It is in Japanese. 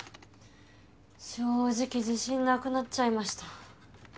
正直自信なくなっちゃいました。